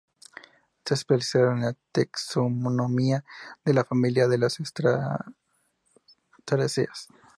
Se ha especializado en la taxonomía de la familia de las asteráceas.